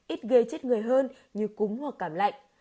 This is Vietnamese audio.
ít gây chết người hơn như cúng hoặc cảm lạnh